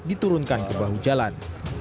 diturunkan ke bahu jalan